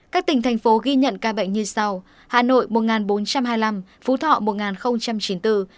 các tỉnh thành phố ghi nhận ca bệnh như sau